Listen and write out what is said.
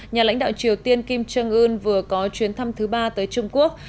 nhà lãnh đạo triều tiên kim jong un vừa có chuyến thăm thứ ba tới trung quốc